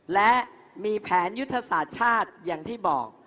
และมีแผนยุทธศาสตร์ชาติอย่างที่บอก